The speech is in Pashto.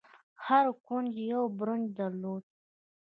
هر کونج يو برج درلود.